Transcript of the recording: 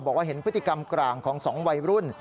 บอกว่าเห็นพฤติกรรมกลางของ๒วัยรุ่น